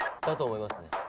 だと思いますね。